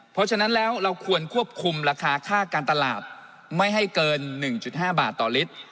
เพราะฉะนั้นแล้วเราควรควบคุมราคาค่าการตลาดไม่ให้เกิน๑๕บาทต่อลิตร